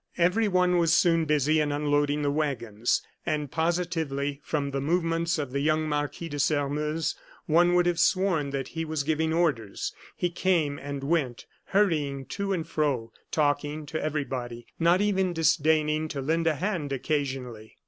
Everyone was soon busy in unloading the wagons, and positively, from the movements of the young Marquis de Sairmeuse, one would have sworn that he was giving orders; he came and went, hurrying to and fro, talking to everybody, not even disdaining to lend a hand occasionally.